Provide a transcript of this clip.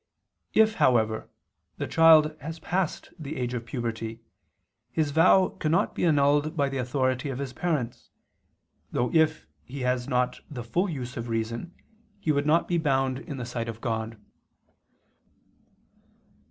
If, however, the child has passed the age of puberty, his vow cannot be annulled by the authority of his parents; though if he has not the full use of reason, he would not be bound in the sight of God.